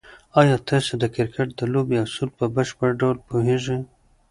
آیا تاسو د کرکټ د لوبې اصول په بشپړ ډول پوهېږئ؟